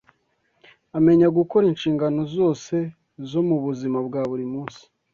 amenya gukora inshingano zose zo mu buzima bwa buri munsi